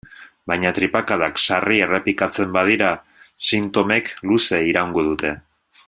Baina tripakadak sarri errepikatzen badira, sintomek luze iraungo dute.